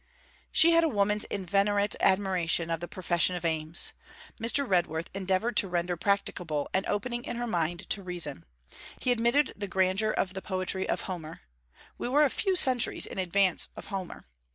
She had a woman's inveterate admiration of the profession of aims. Mr. Redworth endeavoured to render practicable an opening in her mind to reason. He admitted the grandeur of the poetry of Homer. We are a few centuries in advance of Homer.